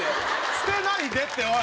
捨てないでっておい！